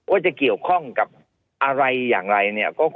ว่าจะเกี่ยวข้องกับอะไรอย่างไรเนี่ย